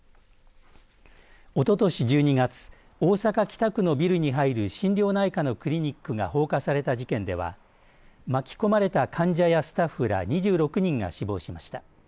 おととし１２月大阪、北区のビルに入る心療内科のクリニックが放火された事件では巻き込まれた患者やスタッフら２６人が死亡しました。